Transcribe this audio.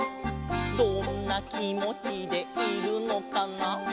「どんなきもちでいるのかな」